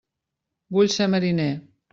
Vull ser mariner!